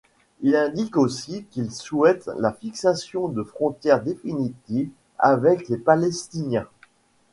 Il indique aussi qu'il souhaite la fixation de frontières définitives avec les Palestiniens.